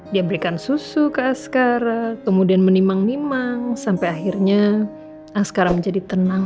dia berikan susu ke askara kemudian menimang nimang sampai akhirnya askara menjadi tenang